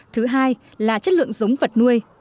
thứ hai là chất lượng giống vật nuôi